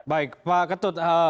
baik pak ketut